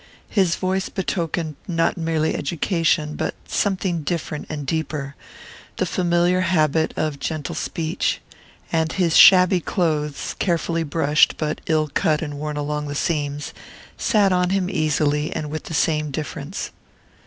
His voice betokened not merely education, but something different and deeper the familiar habit of gentle speech; and his shabby clothes carefully brushed, but ill cut and worn along the seams sat on him easily, and with the same difference.